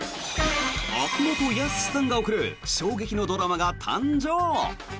秋元康さんが贈る笑劇のドラマが誕生。